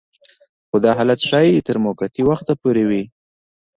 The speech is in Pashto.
خو دا حالت ښايي تر موقتي وخته پورې وي